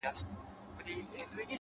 • هوښيارانو دي راوړي دا نكلونه,